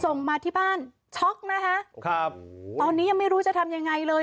ส่งมาที่บ้านช็อกนะคะครับตอนนี้ยังไม่รู้จะทำยังไงเลย